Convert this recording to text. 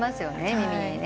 耳にね。